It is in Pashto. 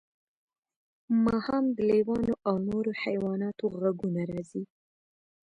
ماښام د لیوانو او نورو حیواناتو غږونه راځي